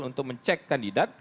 untuk mencek kandidat